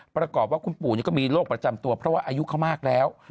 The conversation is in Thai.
ประกอบว่าคุณปู่นี่ก็มีโรคประจำตัวเพราะว่าอายุเขามากแล้ว